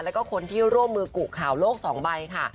แล้วก็คนที่ร่วมมือกุข่าวโลก๒ใบค่ะ